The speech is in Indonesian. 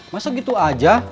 masa gitu aja